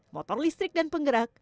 motor listrik dan penggerak